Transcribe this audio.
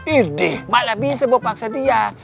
ih deh mana bisa bawa paksa dia